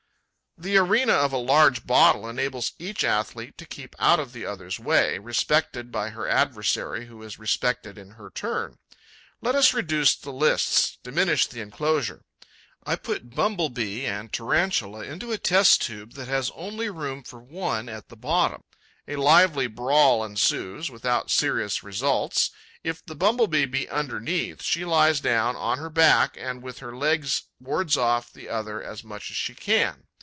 The arena of a large bottle enables each athlete to keep out of the other's way, respected by her adversary, who is respected in her turn. Let us reduce the lists, diminish the enclosure. I put Bumble bee and Tarantula into a test tube that has only room for one at the bottom. A lively brawl ensues, without serious results. If the Bumble bee be underneath, she lies down on her back and with her legs wards off the other as much as she can.